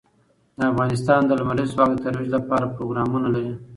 افغانستان د لمریز ځواک د ترویج لپاره پروګرامونه لري.